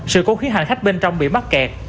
sự cố khí hành khách bên trong bị mắc kẹt